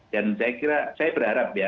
dan saya kira saya berharap ya